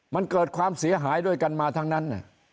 มันเกิดความเสียหายด้วยกันมาทั้งนั้น